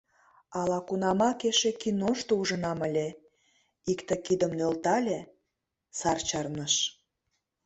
Ала-кунамак эше киношто ужынам ыле: икте кидым нӧлтале — сар чарныш.